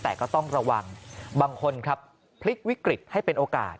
แต่ก็ต้องระวังบางคนครับพลิกวิกฤตให้เป็นโอกาส